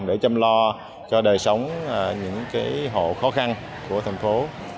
để chăm lo cho đời sống những hộ khó khăn của thành phố